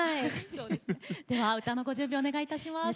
では歌のご準備お願いいたします。